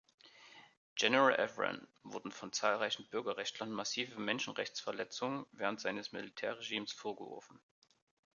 General Evren wurden von zahlreichen Bürgerrechtlern massive Menschenrechtsverletzungen während seines Militärregimes vorgeworfen.